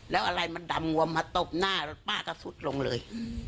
แล้วอะไรมันดำงวมมาตบหน้าแล้วป้าก็สุดลงเลย